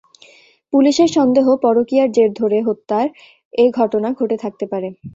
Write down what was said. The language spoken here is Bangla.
পুলিশের সন্দেহ, পরকীয়ার জের ধরে হত্যার এ ঘটনা ঘটে থাকতে পারে।